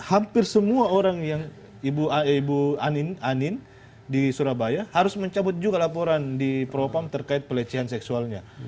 hampir semua orang yang ibu anin di surabaya harus mencabut juga laporan di propam terkait pelecehan seksualnya